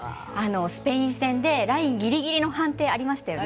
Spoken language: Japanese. スペイン戦でラインギリギリの判定ありましたよね。